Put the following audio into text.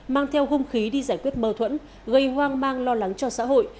mang theo hung khí đi giải quyết mơ thuẫn gây hoang mang lo lắng cho xã hội